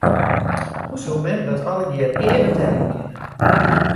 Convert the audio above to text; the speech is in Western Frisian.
Hoe soe mem dat allegearre ea betelje kinne?